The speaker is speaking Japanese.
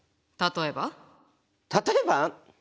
例えば？例えば！？